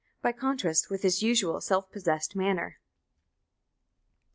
by contrast with his usual self possessed manner."